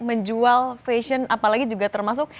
menjual fashion apalagi juga termasuk